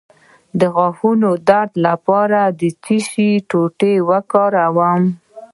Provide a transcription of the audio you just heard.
د غاښونو د درد لپاره د څه شي ټوټه وکاروم؟